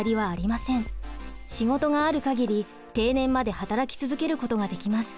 仕事があるかぎり定年まで働き続けることができます。